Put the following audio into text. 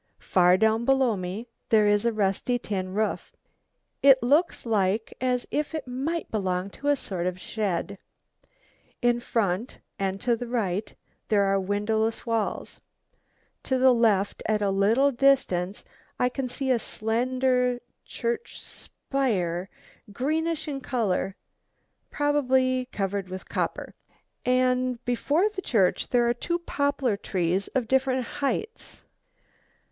Far down below me there is a rusty tin roof, it looks like as if it might belong to a sort of shed. In front and to the right there are windowless walls; to the left, at a little distance, I can see a slender church spire, greenish in colour, probably covered with copper, and before the church there are two poplar trees of different heights.